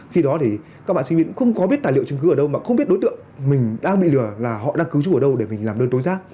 khi đó thì các bạn sinh viên cũng không có biết tài liệu chứng cứ ở đâu mà không biết đối tượng mình đang bị lừa là họ đang cứu chúng ở đâu để mình làm đơn tối giác